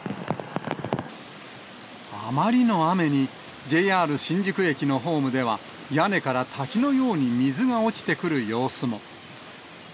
あまりの雨に、ＪＲ新宿駅のホームでは、屋根から滝のように水が落ちてくる様子も。